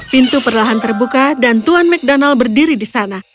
pintu perlahan terbuka dan tuan mcdonald berdiri di sana